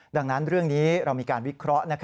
ดังนั้นเรื่องนี้เรามีการวิเคราะห์